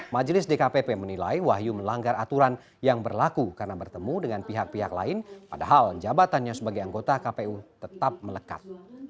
majelis dkpp menilai wahyu melanggar aturan yang berlaku karena bertemu dengan pihak pihak lain padahal jabatannya sebagai anggota kpu tetap melekat